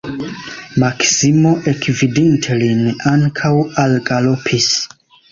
Maksimo, ekvidinte lin, ankaŭ algalopis.